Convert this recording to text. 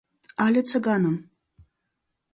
Але Цыганым?